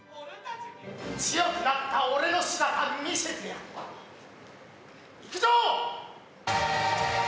強くなった俺の姿見せてやる行くぞ！